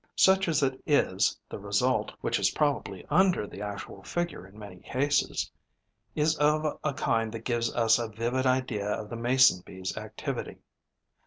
Such as it is, the result, which is probably under the actual figure in many cases, is of a kind that gives us a vivid idea of the Mason bee's activity.